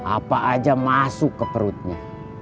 apa aja masuk ke perutnya